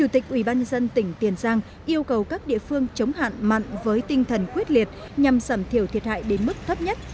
tỉnh tiền giang yêu cầu các địa phương chống hạn mặn với tinh thần quyết liệt nhằm sẩm thiểu thiệt hại đến mức thấp nhất